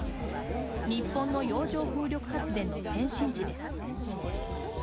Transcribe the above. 日本の洋上風力発電の先進地です。